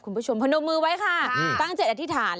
คุณผู้ชมพนมือไว้ค่ะตั้งเจ็ดอธิษฐาน